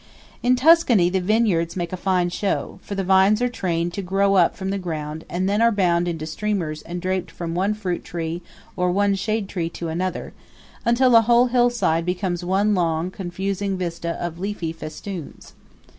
In Tuscany the vineyards make a fine show, for the vines are trained to grow up from the ground and then are bound into streamers and draped from one fruit tree or one shade tree to another, until a whole hillside becomes one long, confusing vista of leafy festoons.